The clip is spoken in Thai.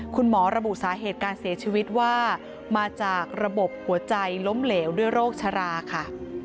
คุณหมอระบุสาเหตุการเสียชีวิตว่ามาจากระบบหัวใจล้มเหลวด้วยโรคชราค่ะ